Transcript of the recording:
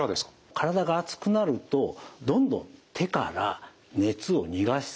体が熱くなるとどんどん手から熱を逃がす。